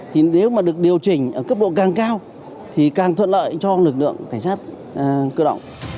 thì nếu mà được điều chỉnh ở cấp độ càng cao thì càng thuận lợi cho lực lượng cảnh sát cơ động